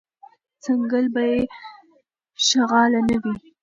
ځنګل بی شغاله نه وي .